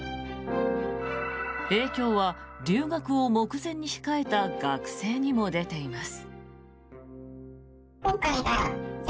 影響は留学を目前に控えた学生にも出ています。